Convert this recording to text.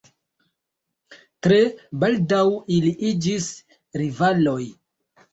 Tre baldaŭ ili iĝis rivaloj.